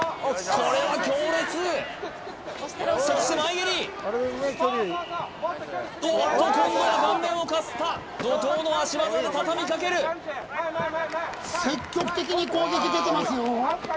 これは強烈そして前蹴りおっと今度は顔面をかすった怒濤の足技で畳みかける・前前前前積極的に攻撃出てますよ